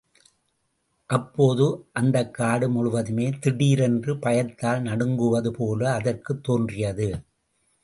அப்போது அந்தக் காடு முழுவதுமே திடீரென்று பயத்தால் நடுங்குவது போல அதற்குத் தோன்றியது.